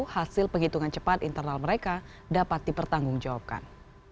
hasil penghitungan cepat internal mereka dapat dipertanggungjawabkan